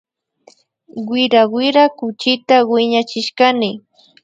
Wira wira kuchita wiñachishkani